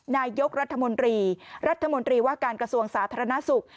นายกรัฐมนตรีรัฐมนตรีว่าการกระทรวงสาธารณสุข